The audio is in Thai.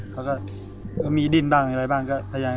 เขาก็มีดินบ้างอะไรบ้างก็แพง